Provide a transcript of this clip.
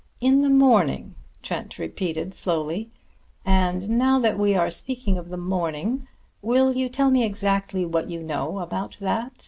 "In the morning," Trent repeated slowly. "And now that we are speaking of the morning, will you tell me exactly what you know about that.